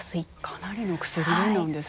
かなりの薬なんですね。